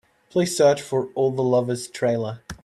Please search for All the Lovers trailer.